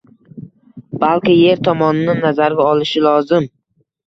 Balki er tomonini nazarga olishi lozim.